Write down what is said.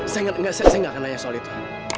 saya gak akan nanya soal itu